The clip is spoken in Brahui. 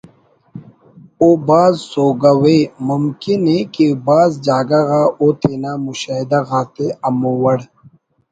او بھاز سوگوءِ ممکن ءِ کہ بھاز جاگہ غا او تینا مشاہدہ غاتے ہمو وڑ